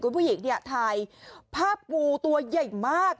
คุณผู้หญิงเนี่ยถ่ายภาพงูตัวใหญ่มาก